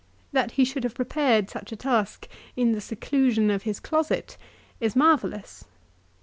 That he should have prepared such a task in the seclusion of his closet is marvellous.